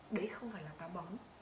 đấy không phải là táo bón